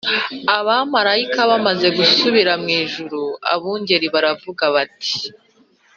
. “Abamarayika bamaze gusubira mu ijuru, abungeri baravuga bati